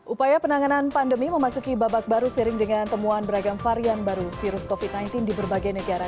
upaya penanganan pandemi memasuki babak baru sering dengan temuan beragam varian baru virus covid sembilan belas di berbagai negara